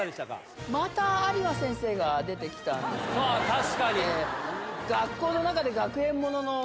確かに。